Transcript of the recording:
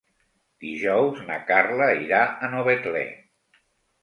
Dijous na Carla irà a Novetlè.